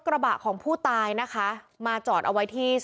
พวกมันต้องกินกันพี่